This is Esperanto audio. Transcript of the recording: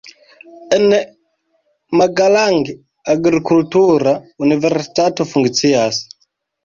En Magalang agrikultura universitato funkcias.